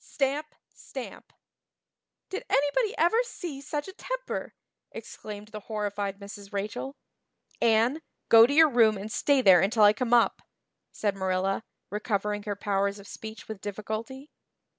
Stamp! Stamp! "Did anybody ever see such a temper!" exclaimed the horrified Mrs. Rachel. "Anne go to your room and stay there until I come up," said Marilla, recovering her powers of speech with difficulty.